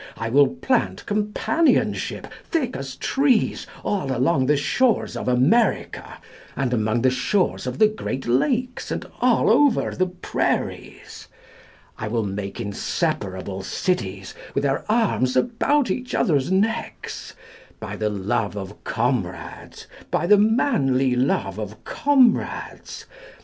I will plant companionship thick as trees all along the shores of America, and along the shores of the great lakes, and all over the prairies; I will make inseparable cities, with their arms about each other's necks; By the love of comrades, By the manly love of comrades.